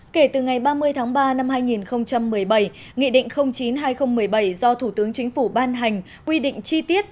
kể từ ngày ba mươi tháng ba năm hai nghìn một mươi bảy nghị định chín hai nghìn một mươi bảy do thủ tướng chính phủ ban hành quy định chi tiết